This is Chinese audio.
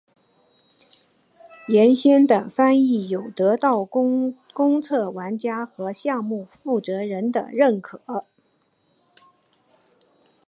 原先的翻译有得到公测玩家和项目负责人认可。